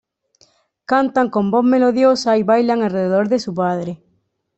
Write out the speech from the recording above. Cantan con voz melodiosa y bailan alrededor de su padre.